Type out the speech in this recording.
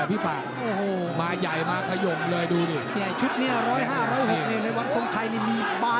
บเข้ายายมาตะยมเลยดูดิ